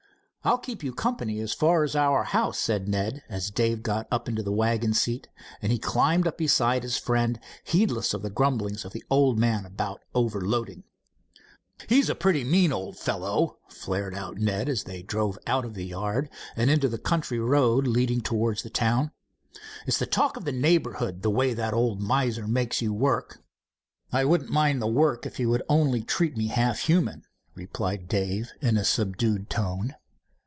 "I'll keep you company as far as our house," said Ned, as Dave got up into the wagon seat, and he climbed up beside his friend, heedless of the grumblings of the old man about over loading. "He's a pretty mean old fellow," flared out Ned, as they drove out of the yard and into the country road leading towards the town. "It's the talk of the neighborhood, the way that old miser makes you work." "I wouldn't mind the work if he would only treat me half human," replied Dave in a subdued tone.